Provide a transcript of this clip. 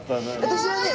私はね。